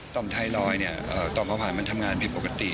ตอมไทยรอยเนี่ยตอมพระผ่านมันทำงานผิดปกติ